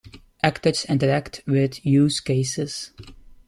Actors interact with use cases.